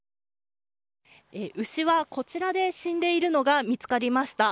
牛は、こちらで死んでいるのが見つかりました。